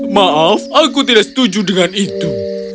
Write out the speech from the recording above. maaf aku tidak setuju dengan itu